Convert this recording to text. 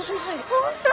本当？